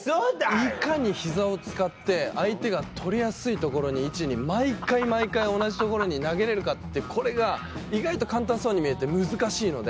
いかに膝を使って相手が取りやすい所に位置に毎回毎回同じ所に投げれるかこれが意外と簡単そうに見えて難しいので。